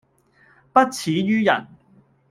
不齒於人